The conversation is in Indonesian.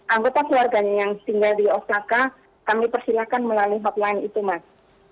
anggota keluarganya yang tinggal di osaka kami persilahkan melalui hotline itu mas